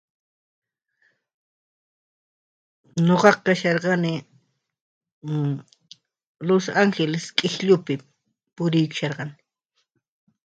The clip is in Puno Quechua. Nuqaqa kasharkani, los angeles q'isllupi puriykusharkani